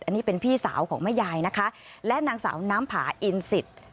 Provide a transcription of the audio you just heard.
อันนี้เป็นพี่สาวของแม่ยายนะคะและนางสาวน้ำผาอินสิทธิ์